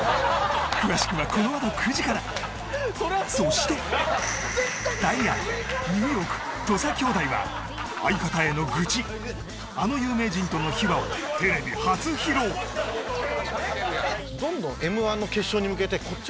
詳しくはこの後９時からそしてダイアンニューヨーク土佐兄弟は相方への愚痴あの有名人との秘話をテレビ初披露どんどんこっちは。